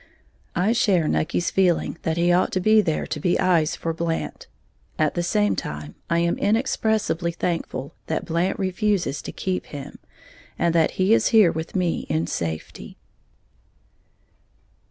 I share Nucky's feeling that he ought to be there to be eyes for Blant; at the same time I am inexpressibly thankful that Blant refuses to keep him, and that he is here with me in safety.